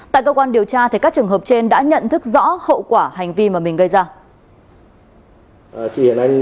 tại cơ quan điều tra các trường hợp trên đã nhận thức rõ hậu quả hành vi mà mình gây ra